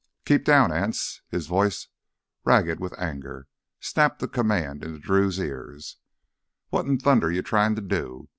"Keep down!" Anse, his voice ragged with anger, snapped the command in Drew's ear. "What in thunder you tryin' to do?